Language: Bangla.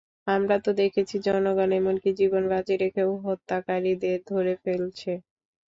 আমরা তো দেখেছি জনগণ এমনকি জীবন বাজি রেখেও হত্যাকারীদের ধরে ফেলছে।